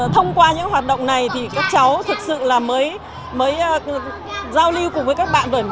thông qua những hoạt động này thì các cháu thực sự là mới giao lưu cùng với các bạn